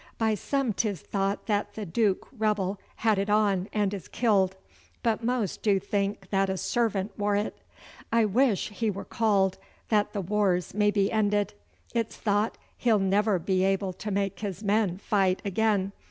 By some 'tis thought that the Duke rebbell had it on and is killed, but most doe think that a servant wore it. I wish he were called, that the wars may be ended. It's thought he'll never be able to make his men fight again.